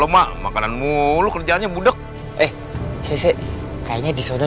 makananmu kerjaannya mudok kayaknya disana